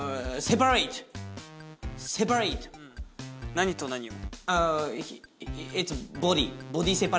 何と何を？